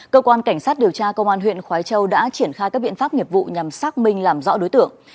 cơ quan cảnh sát điều tra công an huyện khói châu đã triển khai các biện pháp nghiệp vụ nhằm xác minh làm rõ đối tượng